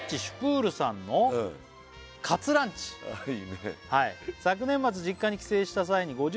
シュプールさんのカツランチ」ああいいね「昨年末実家に帰省した際に」